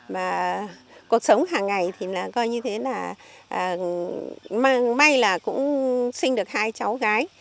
mà cuộc sống hàng ngày thì là coi như thế là may là cũng sinh được hai cháu gái